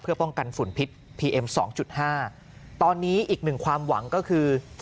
เพื่อป้องกันฝุ่นพิษพีเอ็มสองจุดห้าตอนนี้อีกหนึ่งความหวังก็คือ